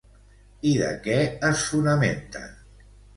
I de què es fonamenten?